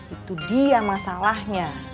itu dia masalahnya